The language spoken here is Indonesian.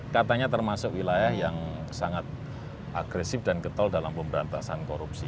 katanya termasuk wilayah yang sangat agresif dan getol dalam pemberantasan korupsi